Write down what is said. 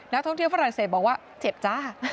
ท่องเที่ยวฝรั่งเศสบอกว่าเจ็บจ้า